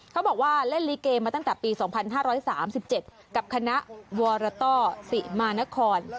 เขาบอกว่าเล่นลิเกมาตั้งแต่ปี๒๕๓๗กับคณะวรต้อสิมานคร